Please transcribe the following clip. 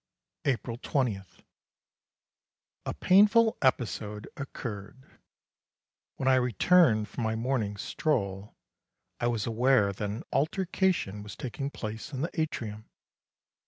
April 20. A painful episode occurred. When I returned from my morning stroll I was aware that an altercation was taking place in the atrium.